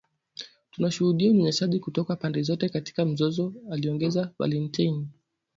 Tunashuhudia unyanyasaji kutoka pande zote katika mzozo aliongeza Valentine